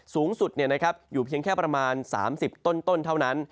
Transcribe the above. สูงสุดอยู่เพียงแค่ประมาณ๓๐ต้นเท่านั้น